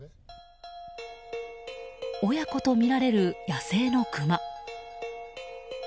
親子とみられる野生のクマ。